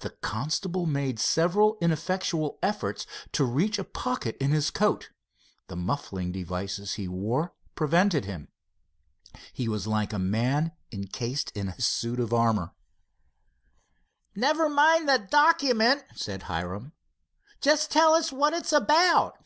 The constable made several ineffectual efforts to reach a pocket in his coat. The muffling devices he wore prevented him. He was like a man encased in a suit of armor. "Never mind the document," said Hiram. "Just tell us what it's about."